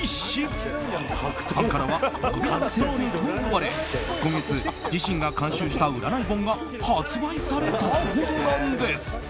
ファンからは飛永先生と呼ばれ今月、自身が監修した占い本が発売されたほどなんです。